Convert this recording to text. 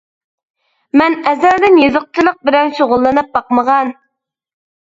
مەن ئەزەلدىن يېزىقچىلىق بىلەن شۇغۇللىنىپ باقمىغان.